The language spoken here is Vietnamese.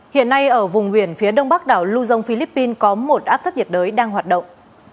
hiện nay ở vùng biển phía đông bắc đảo luzon philippines có một áp thấp nhiệt đới đang hoạt động